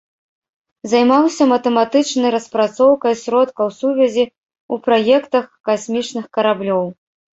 Займаўся матэматычнай распрацоўкай сродкаў сувязі ў праектах касмічных караблёў.